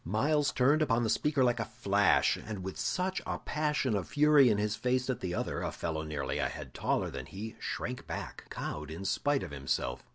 Myles turned upon the speaker like a flash, and with such a passion of fury in his face that the other, a fellow nearly a head taller than he, shrank back, cowed in spite of himself.